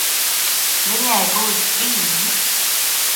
Viņai būs dvīņi.